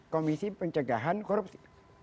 komisi pencegahan korupsi